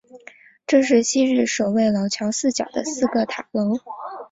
这是昔日守卫老桥四角的四个塔楼中唯一的幸存者。